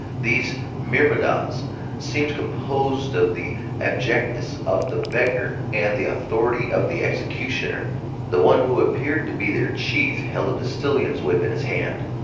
These myrmidons seemed composed of the abjectness of the beggar and the authority of the executioner. The one who appeared to be their chief held a postilion's whip in his hand.